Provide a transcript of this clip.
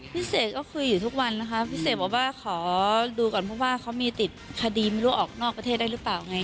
เสกก็คุยอยู่ทุกวันนะคะพี่เสกบอกว่าขอดูก่อนเพราะว่าเขามีติดคดีไม่รู้ออกนอกประเทศได้หรือเปล่าไง